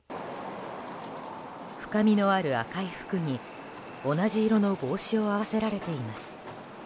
深みのある赤い服に同じ色の帽子を合わせられています。